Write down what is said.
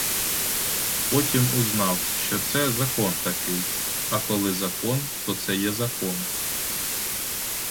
Потім узнав, що це — закон такий, а коли закон, то це є закон.